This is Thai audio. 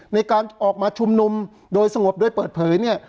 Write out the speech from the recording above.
ในการออกมาชุมนุมโดยสงบโดยเปิดเผยเนี่ย